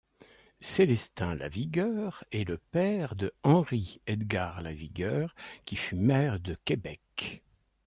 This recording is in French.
Célestin Lavigueur est le père de Henri-Edgar Lavigueur qui fut maire de Québec.